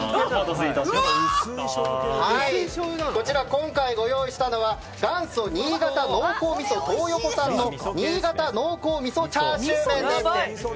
今回、ご用意したのは元祖新潟濃厚味噌東横さんの新潟濃厚味噌チャーシュー麺です。